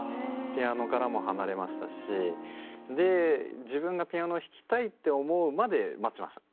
ピアノからも離れましたしで自分がピアノを弾きたいって思うまで待ちました。